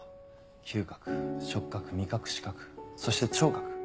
嗅覚触覚味覚視覚そして聴覚。